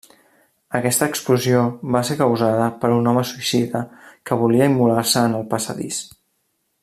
Aquesta explosió va ser causada per un home suïcida que volia immolar-se en el passadís.